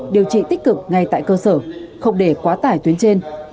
điều trị tích cực ngay tại cơ sở không để quá tải tuyến trên